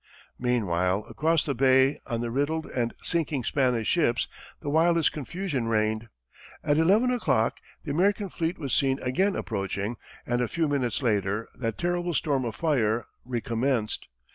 Meanwhile, across the bay, on the riddled and sinking Spanish ships the wildest confusion reigned. At eleven o'clock, the American fleet was seen again approaching, and a few minutes later, that terrible storm of fire recommenced.